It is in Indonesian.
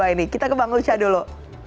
dua ribu dua puluh dua ini kita ke bang usha dulu